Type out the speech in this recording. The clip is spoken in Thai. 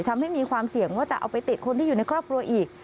ทำให้มีความเสี่ยงว่าจะเอาไปติดคนที่อยู่ในครอบครัวอีก